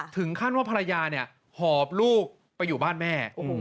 ถึงขั้นว่าภรรยาเนี่ยหอบลูกไปอยู่บ้านแม่